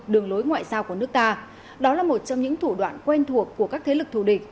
đường lối ngoại giao của nước ta đó là một trong những thủ đoạn quen thuộc của các thế lực thù địch